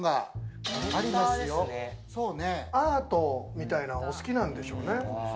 みたいなん、お好きなんでしょうね。